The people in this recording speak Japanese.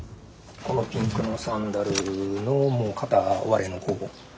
このピンクのサンダルの片割れのここ。